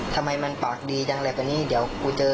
ทำไมมันปากดีจังอะไรกว่านี้เดี๋ยวกูเจอ